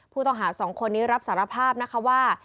ผู้ต้องหา๒คนนี้รับสารภาพนะคะว่า